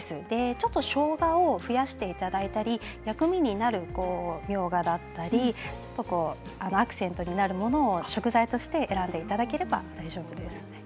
ちょっとしょうがを増やしていただいたり薬味になる、みょうがだったりアクセントになるものを食材として選んでいただければ大丈夫です。